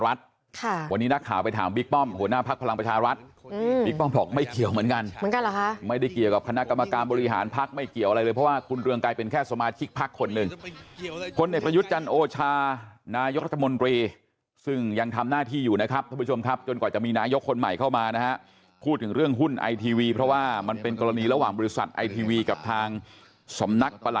วันนี้นักข่าวไปถามบิ๊กป้อมหัวหน้าภักดิ์พลังประชารัฐวันนี้นักข่าวไปถามบิ๊กป้อมหัวหน้าภักดิ์พลังประชารัฐวันนี้นักข่าวไปถามบิ๊กป้อมหัวหน้าภักดิ์พลังประชารัฐวันนี้นักข่าวไปถามบิ๊กป้อมหัวหน้าภักดิ์พลังประชารัฐวันนี้นักข่าวไปถามบิ๊กป้อมหัวหน้าภัก